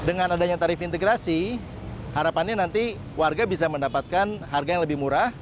dengan adanya tarif integrasi harapannya nanti warga bisa mendapatkan harga yang lebih murah